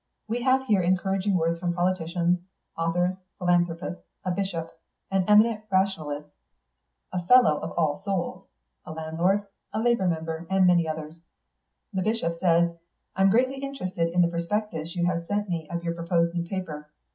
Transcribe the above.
We have here encouraging words from politicians, authors, philanthropists, a bishop, an eminent rationalist, a fellow of All Souls, a landlord, a labour member, and many others. The bishop says, 'I am greatly interested in the prospectus you have sent me of your proposed new paper.